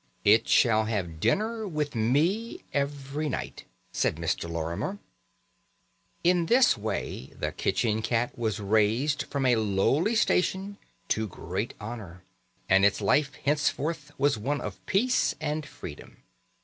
"It shall have dinner with me every night," said Mr. Lorimer. In this way the kitchen cat was raised from a lowly station to great honour, and its life henceforth was one of peace and freedom.